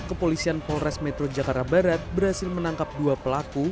kepolisian polres metro jakarta barat berhasil menangkap dua pelaku